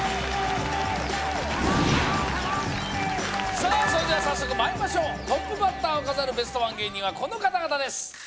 さあそれでは早速まいりましょうトップバッターを飾るベストワン芸人はこの方々です